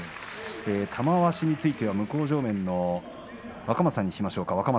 玉鷲については向正面の若松さんに聞きましょうか。